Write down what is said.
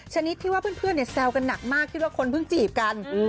ชนิดที่ว่าเพื่อนแซวกันหนักมากคิดว่าคนเพิ่งจีบกัน